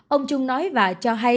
ông trung nói và cho hạng